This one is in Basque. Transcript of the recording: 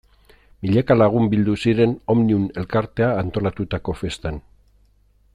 Milaka lagun bildu ziren Omnium elkarteak antolatutako festan.